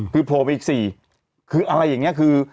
คือโผล่ไปอีก๔คืออะไรอย่างนี้คือ